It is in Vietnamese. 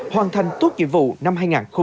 hoàn thành tốt nhiệm vụ năm hai nghìn hai mươi